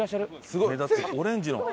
すごいオレンジの。